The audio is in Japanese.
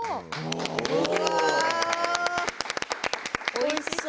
おいしそう。